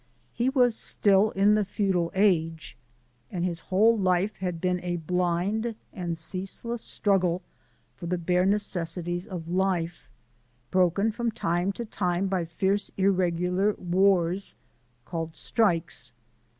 He was still in the feudal age, and his whole life had been a blind and ceaseless struggle for the bare necessaries of life, broken from time to time by fierce irregular wars called strikes.